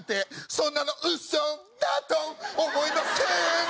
「そんなの嘘だと思いませんか？」